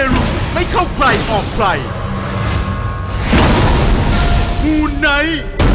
แล้วทีนี้